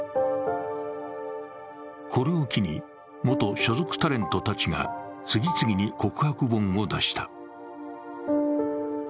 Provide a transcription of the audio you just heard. これを機に、元所属タレントたちが次々に告白本を出した。